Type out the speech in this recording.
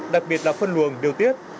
đặc biệt là phân luồng điều tiết